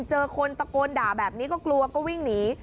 เจอคนตะโกนด่าแบบนี้ก็กลัวก็วิ่งหนี